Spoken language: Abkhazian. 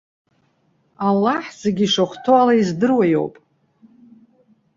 Аллаҳ зегьы ишахәҭоу ала издыруа иоуп.